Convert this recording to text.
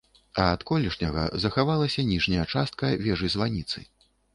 А ад колішняга захавалася ніжняя частка вежы-званіцы.